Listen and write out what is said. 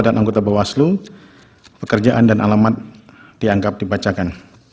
dan anggota bawaslu pekerjaan dan alamat dianggap dibacakan